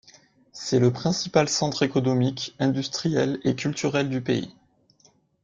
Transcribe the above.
C'est le principal centre economique, industriel et culturel du pays.